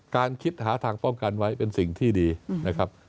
การคิดหาทางป้องกันไว้เป็นสิ่งที่ดีนะครับ